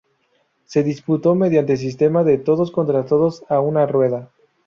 Se disputó mediante sistema de todos contra todos a una rueda.